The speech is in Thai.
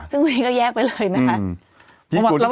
ซึ่งวันนี้ก็แยกไปเลยนะคะ